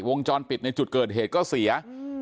วงจรปิดในจุดเกิดเหตุก็เสีย